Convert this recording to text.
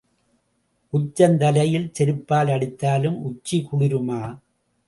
உச்சந் தலையில் செருப்பால் அடித்தாலும் உச்சி குளிருமா?